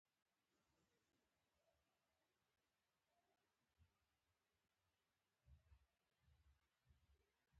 په هماغه غرمه یې له ځان سره میلمستیا ته بوتلم.